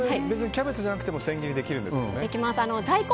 キャベツじゃなくても千切りできるんですよね？